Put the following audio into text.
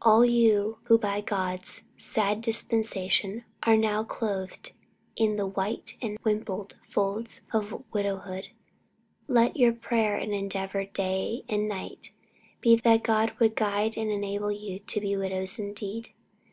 All you who by God's sad dispensation are now clothed in the "white and wimpled folds" of widowhood, let your prayer and your endeavour day and night be that God would guide and enable you to be widows indeed.